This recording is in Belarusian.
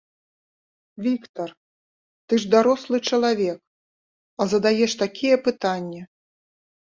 Віктар, ты ж дарослы чалавек, а задаеш такія пытанні.